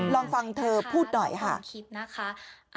ลองฟังเธอพูดหน่อยค่ะ